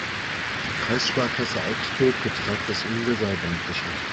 Die Kreissparkasse Augsburg betreibt das Universalbankgeschäft.